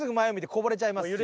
こぼれちゃいますし。